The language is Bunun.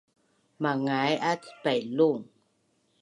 mangai’at Pailung